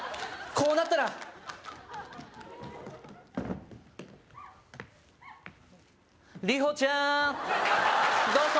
こうなったらリホちゃんどこ？